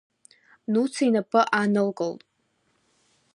Нуца инапы аанылкылт.